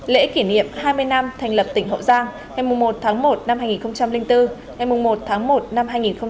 lễ kỷ niệm hai mươi năm thành lập tỉnh hậu giang ngày một tháng một năm hai nghìn bốn ngày một tháng một năm hai nghìn hai mươi